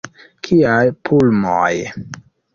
Kiaj pulmoj!